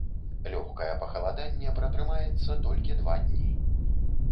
Лёгкае пахаладанне пратрымаецца толькі два дні.